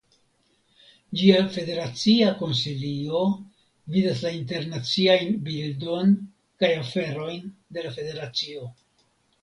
Ĝia Federacia Konsilio gvidas la internaciajn bildon kaj aferojn de la Federacio.